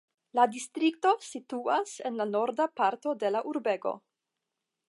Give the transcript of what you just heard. La distrikto situas en la norda parto de la urbego.